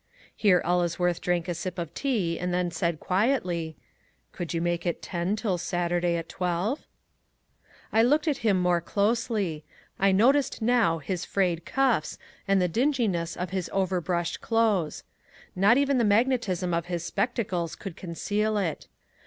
Here Ellesworth drank a sip of tea and then said quietly, "Could you make it ten till Saturday at twelve?" I looked at him more closely. I noticed now his frayed cuffs and the dinginess of his over brushed clothes. Not even the magnetism of his spectacles could conceal it.